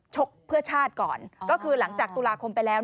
เพื่อชาติก่อนก็คือหลังจากตุลาคมไปแล้ว